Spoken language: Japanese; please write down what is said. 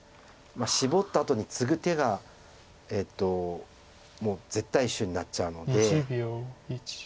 シボったあとにツグ手がもう絶対手になっちゃうので。